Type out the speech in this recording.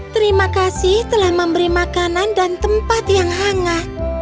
terima kasih telah memberi makanan dan tempat yang hangat